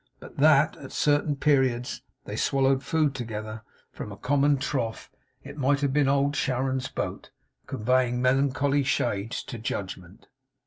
But that, at certain periods, they swallowed food together from a common trough, it might have been old Charon's boat, conveying melancholy shades to judgment.